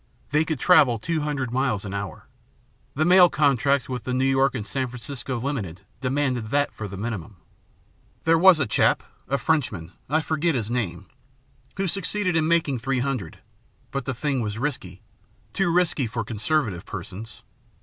They could travel two hundred miles an hour. The mail contracts with the New York and San Francisco Limited demanded that for the minimum. There was a chap, a Frenchman, I forget his name, who succeeded in making three hundred; but the thing was risky, too risky for conservative persons.